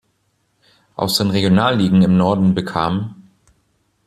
Aus den Regionalligen im Norden bekam